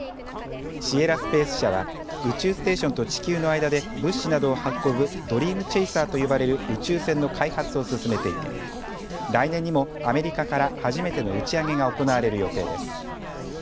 シエラ・スペース社は宇宙ステーションと地球の間で物資などを運ぶドリーム・チェイサーと呼ばれる宇宙船の開発を進めていて来年にもアメリカから初めての打ち上げが行われる予定です。